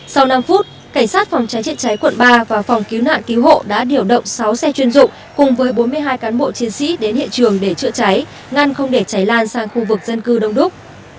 sau năm phút cảnh sát phòng cháy chữa cháy quận ba và phòng cứu nạn cứu hộ đã điều động sáu xe chuyên dụng cùng với bốn mươi hai cán bộ chiến sĩ đến hiện trường để chữa cháy ngăn không để cháy lan sang khu vực dân cư đông đúc